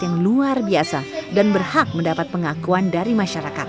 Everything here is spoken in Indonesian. yang luar biasa dan berhak mendapat pengakuan dari masyarakat